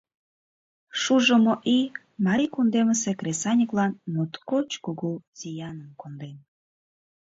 Шужымо ий Марий кундемысе кресаньыклан моткоч кугу зияным конден.